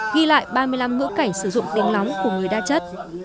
ghi lại ba mươi năm ngữ cảnh sử dụng tiếng lóng của người đa chất